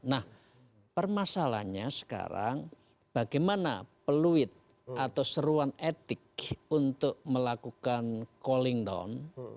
nah permasalahannya sekarang bagaimana peluit atau seruan etik untuk melakukan calling down